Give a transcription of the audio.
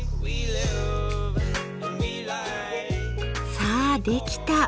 さあできた。